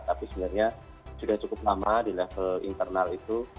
tapi sebenarnya sudah cukup lama di level internal itu